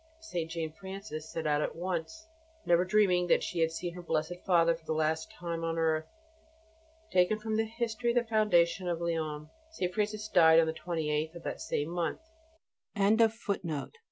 St. Jane Frances at once set out, never dreaming that she had seen her blessed Father for the last time on earth." (Taken from the "History of the Foundation of Lyons.") St. Francis died on the 28th of that same month.